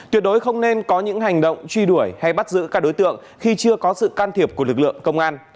tuyệt đối không nên có những hành động truy đuổi hay bắt giữ các đối tượng khi chưa có sự can thiệp của lực lượng công an